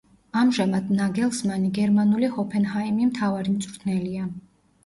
ამჟამად ნაგელსმანი გერმანული „ჰოფენჰაიმი“ მთავარი მწვრთნელია.